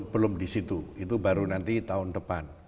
belum di situ itu baru nanti tahun depan